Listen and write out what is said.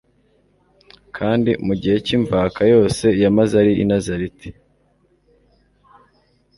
kandi mu gihe cy'imvaka yose yamaze ari I Nazareti,